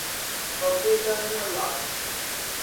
tɔbbihi daa nyaɣi lɔɣiri.